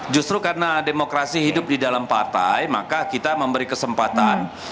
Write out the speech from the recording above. justru karena demokrasi hidup di dalam partai maka kita memberi kesempatan